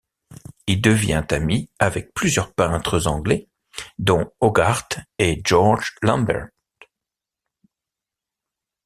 Il devient ami avec plusieurs peintres anglais, dont Hogarth et George Lambert.